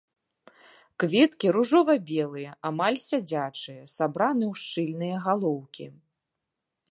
Кветкі ружова-белыя, амаль сядзячыя, сабраны ў шчыльныя галоўкі.